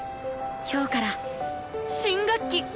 今日から新学期！